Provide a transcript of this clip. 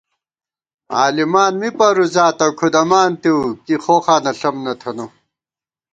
عالِمان می پروزاتہ کھُدَمانتِؤ کی خوخانہ ݪم نہ تھنہ